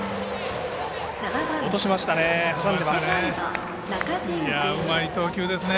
落としましたね。